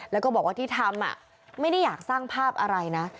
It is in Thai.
แล้วก็บอกว่าที่ทำไม่ได้อยากสร้างภาพอะไรนะ